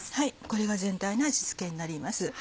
これが全体の味付けになります。